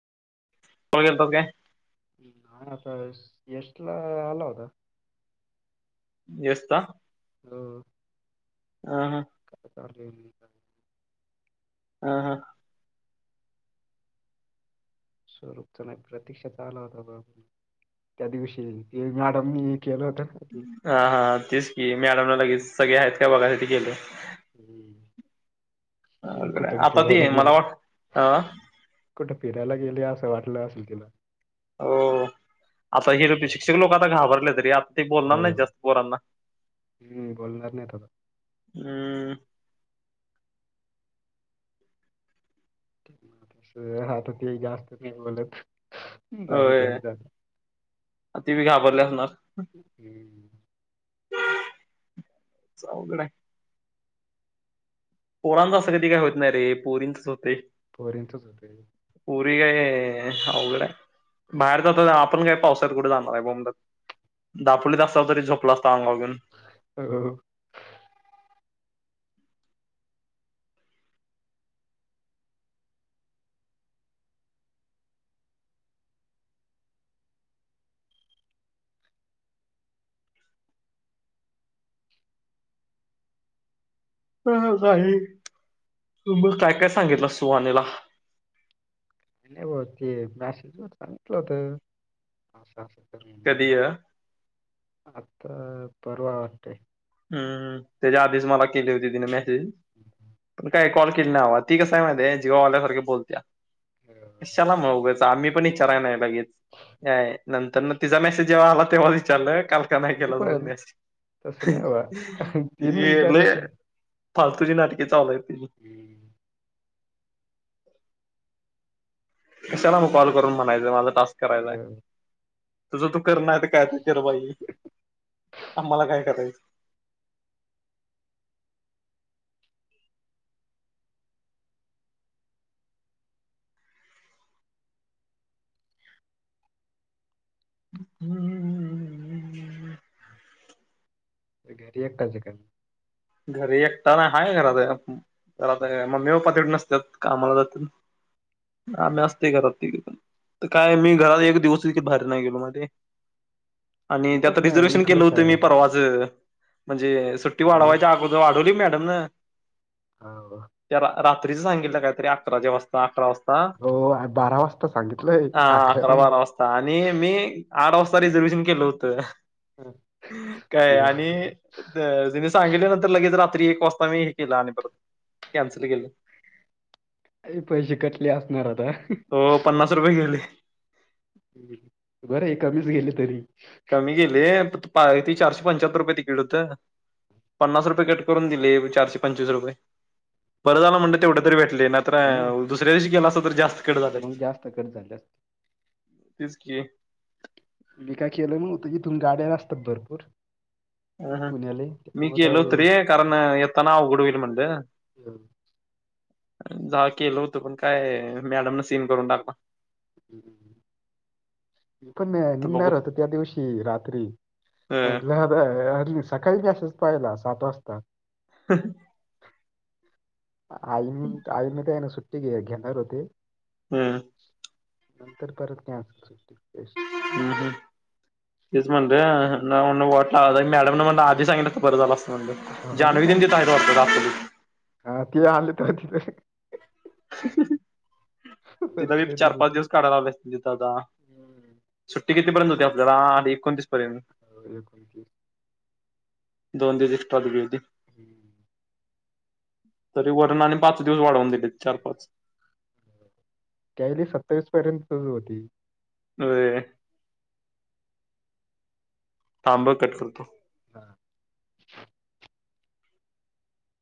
गेलतास काय? का आता यश ला आला होता येसता हो अ हां कारले ह ह स्वरूपच नाही प्रतीक्षा आला होता बा त्या दिवशी ते मॅडमनी केलं होतं ना ते हा हा तेच की मॅडमला लगेच सगळे आहेत का बघाय ते गेले ह् अवघड कुठ आहे. आता फिेरायला ते मला गेले वाट अ कुठं फिरायला गेले असं वाटलं असेल तिला आता अस गेलो की शिक्षक लोक आता घाबरले त रे आप ते बोलणार हो नाहीआता जास्त पोरांना हम्म बोलणार नाहीत आता हम्म शु य आता ते जास्त नहीं बोलत नहीं झालं होय त्याच ती बी घाबरले असणार हम् अवघड आहे पोरांचं असं कधी काय होत नाही रे पोरींचच होते पोरींचच होतय पोरी य यय अवघड आहे बाहेर जात आपण काय पावसात कुठे जाणार आहे बोंबलत दापोलीत असत तरी झोपलं असता अंगावर घेऊन अ हो अन मग काय काय सांगितलं सुहानीला नाही ब ते मॅसेजवर सांगितलं होत असं असं कर कधी म्हणून ये आता पर्वा आलते हम्म त्याच्या आधीच मला केली होती तिने मेसेज पण काय कॉल केलेला हवा ती कसय आहे माहिती ये जिगावाल्यासारख्या बोलत्या अं, कशाला मग उगाच आम्ही पण विचारय नाही लगेच याय नंतर तिचा मेसेज जेव्हा आला तेव्हा विचारल काल का नाही मी केला तुम्ही पण मॅसेज तसं नाही बा तीन येले विचारलं तर फालतूची नाटककी चावलंती मग हम्म कशाला मग कॉल करून म्हणायचंय माझा टास्क करायचाय अ, तुझं तू कर नाही तर करायचं कर बाई पण मला काय करायचं हम्म घरी एकटाचे का मग घरी एकटा नाय हाय घरात [unintelligible] तर काय अं, मम्मी पप्पा तीड नसतात कामाला जात ना आम्ही असतो घरात तिघ पण त काय मी एक दिवस त भारी नाही गेलो मध्ये मी आणि त्यात पण नाही रिझर्वेशन केलं इकडच आहे होतं मी आता परवा ज म्हणजे सुट्टी हा मग वाढवायची अगोद वाढवली मॅडम न हो त्या रात्रीचं सांगितलं काहीतरी अकराच्या अकरा वाजता हो बारा वाजता सांगितलंय हा हा अकरा नाही बारा वाजता आणि मी आठ वाजता रिझर्वेशन केलं होतं अं, काय देव आणि तीने सांगितले नंतर लगेच रात्री एक वाजता मी हे केलं आणि परत कॅन्सल केलं. काही पैशे कटले असणार आता हो पन्नास रुपये गेले. हं बरंय कमीच गेले तरी. कमी गेले फक्त किती, चारशे पंच्याहत्तर रुपये तिकीट होतं. पन्नास रुपये कट करून दिले, चारशे पंचवीस रुपये, बरं झालं म्हणल तेवढं तरी भेटले ना. तर अं दुसऱ्या दिवशी गेला असता तर जास्त कट झालं मग असत, जास्त कट झाले असते तेच कि मी काय केलो नव्हतं, इथून गाड्या असतात भरपूर. हं, हं पुण्याले मी त्यामुळे केलो काय होतो रे, कारण येताना अवघड होईल म्हणलं. हम्, जा केलं होतं पण काय मॅडम न सीन करून टाकला. हम्म, मी पण तर बघू निघणार होतो त्या दिवशी रात्री हं म्हटलं व्हय अरे मी सकाळी मेसेज पाहिला सात वाजता. हं, हु. आई- आईन तेन सुट्टी घेणार होते. हम्, नंतर करल त्याच सुट्टीत. [unintelligible] हम् -हम्, तेच म्हणल नव- नवं वाटल मॅडम न म्हणल आधी सांगितलं असत तर बरं झाल असत. म्हणलं [unintelligible] जान्हवी तेन तिथ हायत वाटत ' हा ती आली तर की हि, हि, ही. तिला बी चार तिकडून. पाच दिवस काढायला लावल्यात तिथ, आता हम्म. सुट्टी कितीपर्यंत होती आपल्याला आणि एकोणतीस पर्यंत, हो, दोन दिवस एक्स्ट्रा दिली होती. हम्म, तरी वरन आणि पाच दिवस वाढवून दिले चार- पाच. नाहि रे सत्तावीस पर्यंत होती. व्हय, थांब कट करतो. हा.